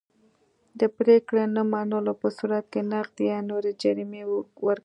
د پرېکړې نه منلو په صورت کې نغدي یا نورې جریمې ورکوي.